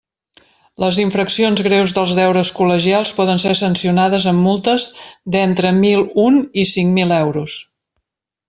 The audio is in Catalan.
Les infraccions greus dels deures col·legials poden ser sancionades amb multes d'entre mil un i cinc mil euros.